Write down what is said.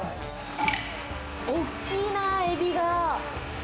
大きいなエビが。